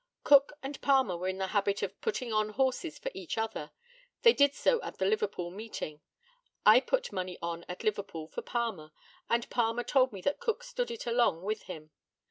Cook and Palmer were in the habit of "putting on" horses for each other. They did so at the Liverpool meeting. I put money on at Liverpool for Palmer, and Palmer told me that Cook stood it along with him.